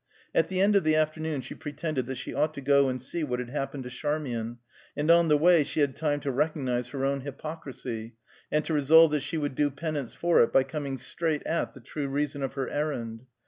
At the end of the afternoon, she pretended that she ought to go and see what had happened to Charmian, and on the way, she had time to recognize her own hypocrisy, and to resolve that she would do penance for it by coming straight at the true reason of her errand.